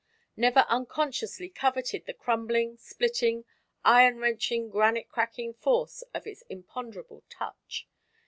never unconsciously coveted the crumbling, splitting, iron wrenching, granite cracking force of its imponderable touch?